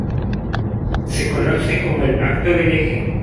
Se conoce como el Pacto del Eje.